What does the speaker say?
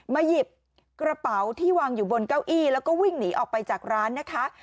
หยิบกระเป๋าที่วางอยู่บนเก้าอี้แล้วก็วิ่งหนีออกไปจากร้านนะคะ